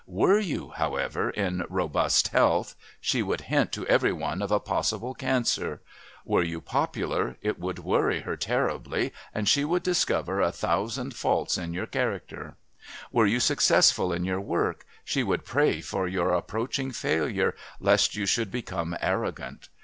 Were you, however, in robust health, she would hint to every one of a possible cancer; were you popular, it would worry her terribly and she would discover a thousand faults in your character; were you successful in your work, she would pray for your approaching failure lest you should become arrogant.